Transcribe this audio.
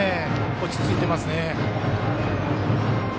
落ち着いていますね。